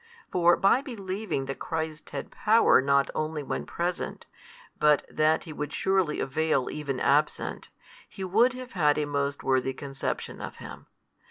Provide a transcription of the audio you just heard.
For by believing that Christ had power not only when present, but that He would surely avail even absent, he would have had a most worthy conception of Him.